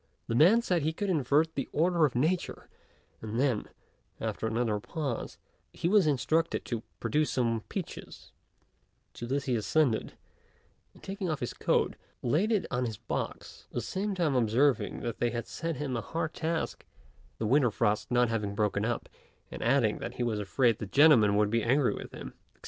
The man said he could invert the order of nature; and then, after another pause, he was instructed to produce some peaches; to this he assented; and taking off his coat, laid it on his box, at the same time observing that they had set him a hard task, the winter frost not having broken up, and adding that he was afraid the gentlemen would be angry with him, &c.